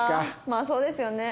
まあそうですよね。